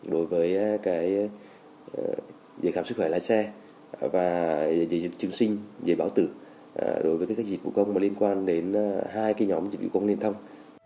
đối với việc khám sức khỏe lái xe và giấy chứng sinh giấy báo tử đối với các dịch vụ công liên quan đến hai nhóm dịch vụ công liên thông